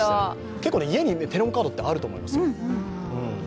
結構、家にテレホンカードって、あると思いますよ。